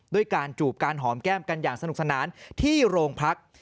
ด้วยการจูบการหอมแก้มกันอย่างสนุกสนานที่โรงพัก